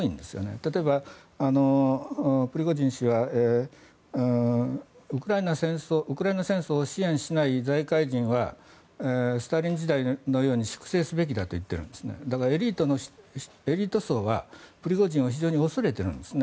例えばプリゴジン氏はウクライナ戦争を支援しない財界人はスターリン時代のように粛清すべきだと言っているんですエリート層はプリゴジンを非常に恐れているんですね。